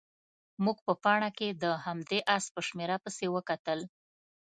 موږ په پاڼه کې د همدې اس په شمېره پسې وکتل.